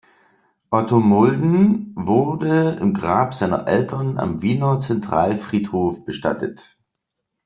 Otto Molden wurde im Grab seiner Eltern am Wiener Zentralfriedhof bestattet.